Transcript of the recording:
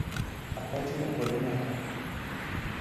আপনার জন্য করুণা হয়।